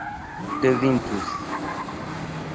devintus